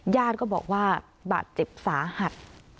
ญาติก็บอกว่าบาดเจ็บสาหัส